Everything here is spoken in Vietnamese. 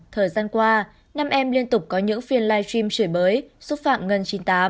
thời gian qua năm em liên tục có những phiên live stream chửi bới xúc phạm ngân chín mươi tám